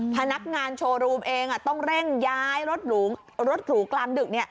พนักงานโชว์รูมเองต้องเร่งย้ายรถหรูกลางดึก